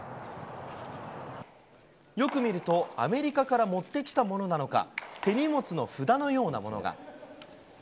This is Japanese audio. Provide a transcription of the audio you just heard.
よく見ると、アメリカから持ってきたものなのか、手荷物の札のようなものが。